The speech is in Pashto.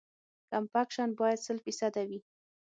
کمپکشن باید سل فیصده وي